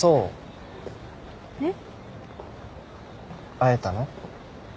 会えたの？